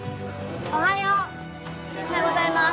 おはようおはようございます